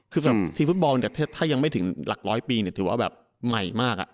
คือแบบทีมฟุตบอลเนี่ยถ้ายังไม่ถึงหลักร้อยปีถือว่าแบบใหม่มาก